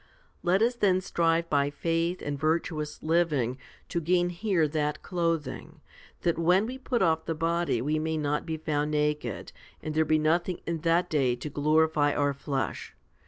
3 8. Let us then strive by faith and virtuous living to gain here that clothing, that when we put off the body we may not be found naked, and there be nothing in that day to glorify our flesh.